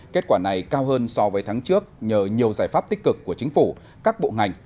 kết quả này cao hơn so với tháng trước nhờ nhiều giải pháp tích cực của chính phủ các bộ ngành